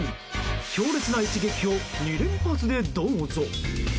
強烈な一撃を２連発でどうぞ。